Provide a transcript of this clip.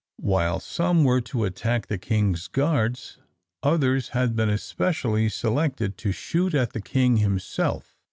While some were to attack the king's guards, others had been especially selected to shoot at the king himself.